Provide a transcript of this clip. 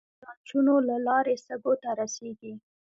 برانشونو له لارې سږو ته رسېږي.